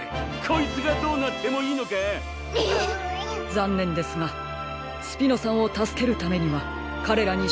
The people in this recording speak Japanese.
ざんねんですがスピノさんをたすけるためにはかれらにしたがうしかなさそうです。